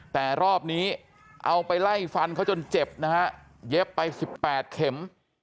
แต่รอบนี้เอาไปไล่ฟันเขาจนเจ็บนะฮะเย็บไป๑๘เข็ม